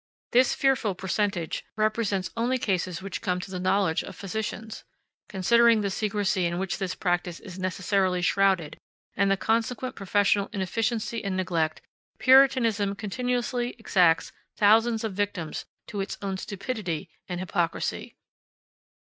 This fearful percentage represents only cases which come to the knowledge of physicians. Considering the secrecy in which this practice is necessarily shrouded, and the consequent professional inefficiency and neglect, Puritanism continuously exacts thousands of victims to its own stupidity and hypocrisy.